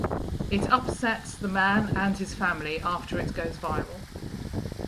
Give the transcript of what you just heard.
It upsets the man and his family after it goes viral.